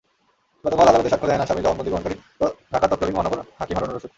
গতকাল আদালতে সাক্ষ্য দেন আসামির জবানবন্দি গ্রহণকারী ঢাকার তৎকালীন মহানগর হাকিম হারুন-অর-রশিদ।